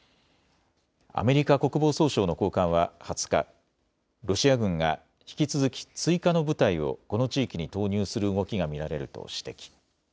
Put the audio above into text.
アメリカ国防総省の高官は２０日、ロシア軍が引き続き追加の部隊をこの地域に投入する動きが見られると指摘。